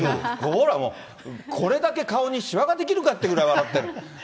ほらもう、これだけ顔にしわが出来るかってほど笑ってる。